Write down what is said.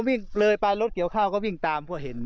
วิ่งเลยไปรถเกี่ยวข้าวก็วิ่งตามเพราะเห็น